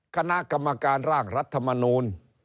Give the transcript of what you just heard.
คณะกรรมการร่างรัฐมนูล